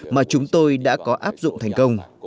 mà chúng tôi đã có áp dụng thành công